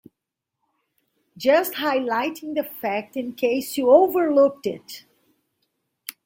Just highlighting that fact in case you overlooked it.